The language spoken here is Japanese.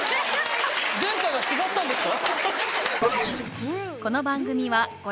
前世は違ったんですか？